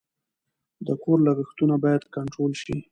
د کور لګښتونه باید کنټرول شي.